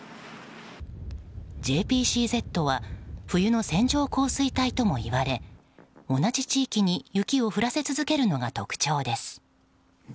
ＪＰＣＺは冬の線状降水帯ともいわれ同じ地域に雪を降らせ続けるのが特徴です。